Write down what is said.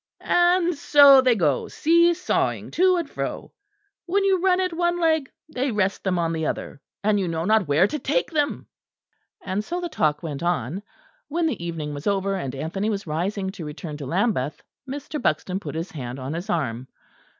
And so they go see sawing to and fro. When you run at one leg they rest them on the other, and you know not where to take them." And so the talk went on. When the evening was over, and Anthony was rising to return to Lambeth, Mr. Buxton put his hand on his arm.